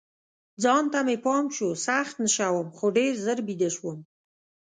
ځان ته مې پام شو، سخت نشه وم، خو ډېر ژر بیده شوم.